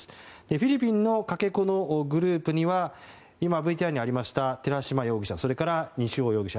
フィリピンのかけ子のグループには今、ＶＴＲにありました寺島容疑者、それから西尾容疑者